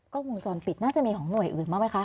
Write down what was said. ก็วงจรปิดน่าจะมีของหน่วยอื่นมากมั้ยคะ